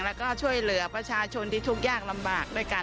แล้วก็ช่วยเหลือประชาชนที่ทุกอย่างลำบากแล้วค่ะ